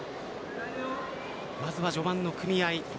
まずは序盤の組み合い。